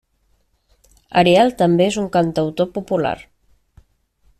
Ariel també és un cantautor popular.